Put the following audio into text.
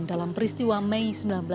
dalam peristiwa mei sembilan belas